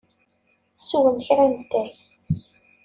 Swem kra n ttay.